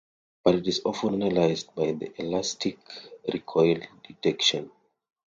But it is often analysed by elastic recoil detection.